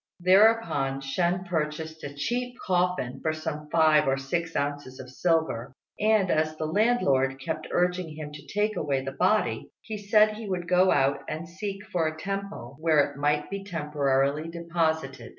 Thereupon Shên purchased a cheap coffin for some five or six ounces of silver; and, as the landlord kept urging him to take away the body, he said he would go out and seek for a temple where it might be temporarily deposited.